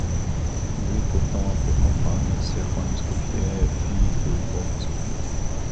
Louis Burton a pour compagne Servane Escoffier, fille de Bob Escoffier.